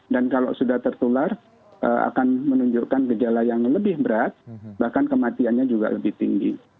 dan kalau sudah tertular akan menunjukkan gejala yang lebih berat bahkan kematiannya juga lebih tinggi